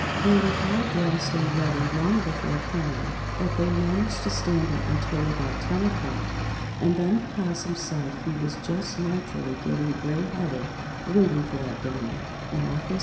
They were all dressed and ready long before time, but they managed to stand it until about ten o'clock, and then the 'Possum said he was just naturally getting gray headed waiting for that dinner, and off they started.